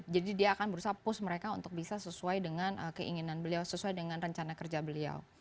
jadi dia akan berusaha push mereka untuk bisa sesuai dengan keinginan beliau sesuai dengan rencana kerja beliau